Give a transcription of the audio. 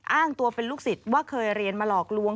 อ้างตัวเป็นลูกศิษย์ว่าเคยเรียนมาหลอกลวง